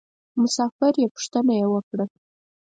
مسافر یې پوښتنه یې وکړه.